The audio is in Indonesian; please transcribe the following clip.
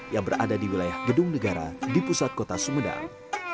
yang berada di wilayah gedung negara di pusat kota sumedang